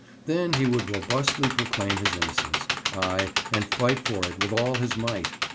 Then he would robustly proclaim his innocence—aye, and fight for it with all his might.